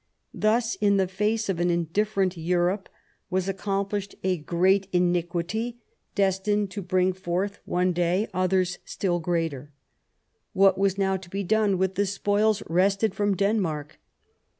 Thus, in the face of an indifferent Europe, was 72 The First Passage of Arms accomplished a great iniquity, destined to bring forth one day others still greater. What was now to be done with the spoils wrested from Denmark